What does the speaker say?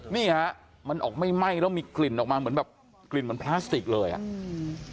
นี่ฮะมันออกไม่ไหม้แล้วมีกลิ่นออกมาเหมือนแบบกลิ่นเหมือนพลาสติกเลยอ่ะอืม